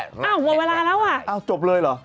อ้าวหมดเวลาแล้วอ่ะจบเลยเหรอ